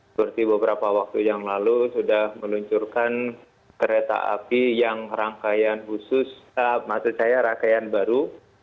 seperti beberapa waktu yang lalu sudah meluncurkan kereta api yang rangkaian khusus maksud saya rangkaian baru